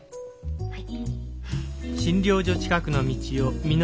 はい。